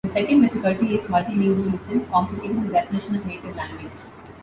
The second difficulty is multilingualism, complicating the definition of "native language".